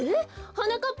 はなかっぱ？